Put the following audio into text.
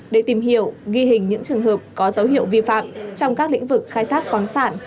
để tìm hiểu ghi hình những trường hợp có dấu hiệu vi phạm trong các lĩnh vực khai thác khoáng sản